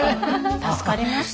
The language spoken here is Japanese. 助かりました。